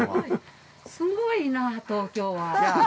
すごいなあ、東京は。